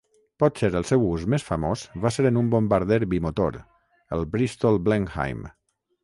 Potser el seu ús més famós va ser en un bombarder bimotor, el Bristol Blenheim.